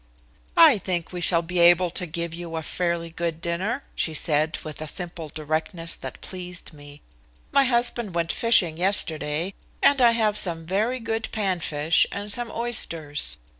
"I think we shall be able to give you a fairly good dinner," she said with a simple directness that pleased me. "My husband went fishing yesterday and I have some very good pan fish and some oysters.